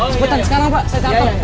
cepetan sekarang pak saya tangkap